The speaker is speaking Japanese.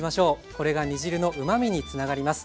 これが煮汁のうまみにつながります。